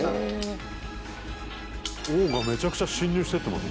富澤：王が、めちゃくちゃ進入していってます。